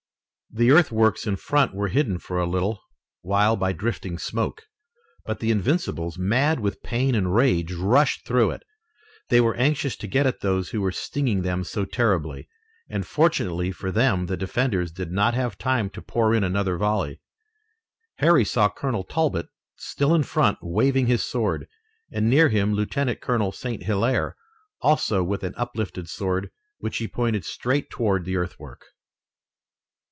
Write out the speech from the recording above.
The earthworks in front were hidden for a little while by drifting smoke, but the Invincibles, mad with pain and rage, rushed through it. They were anxious to get at those who were stinging them so terribly, and fortunately for them the defenders did not have time to pour in another volley. Harry saw Colonel Talbot still in front, waving his sword, and near him Lieutenant Colonel St. Hilaire, also with an uplifted sword, which he pointed straight toward the earthwork.